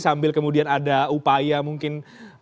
sambil kemudian ada upaya mungkin